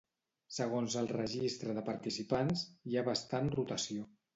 Segons el registre de participants, hi ha bastant rotació.